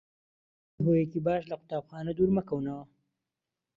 هەرگیز بەبێ هۆیەکی باش لە قوتابخانە دوور مەکەونەوە.